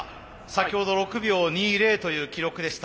先ほど６秒２０という記録でした。